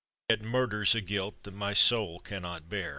Yet murder's a guilt that my soul can not bear."